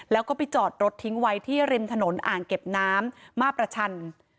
แล้วก็ไปจอดรถทิ้งไว้ที่ริมถนนอ่างเก็บน้ำมาประชัน